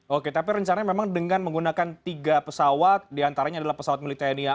oke tapi rencana memang dengan menggunakan tiga pesawat diantaranya adalah pesawat militer nia